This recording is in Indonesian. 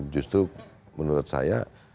justru menurut saya